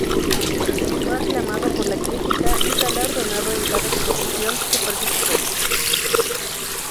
Fue aclamado por la crítica y galardonado en cada exposición que participó.